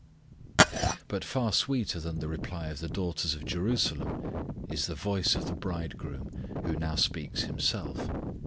But far sweeter than the reply of the daughters of Jerusalem is the voice of the Bridegroom, who now speaks Himself.